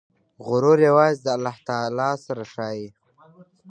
غرور یوازې د الله تعالی سره ښایي.